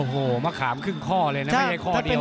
โอ้โหมะขามครึ่งข้อเลยนะไม่ใช่ข้อเดียว